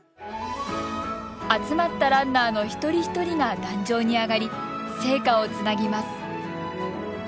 集まったランナーの一人一人が壇上に上がり、聖火をつなぎます。